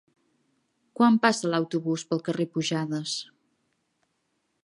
Quan passa l'autobús pel carrer Pujades?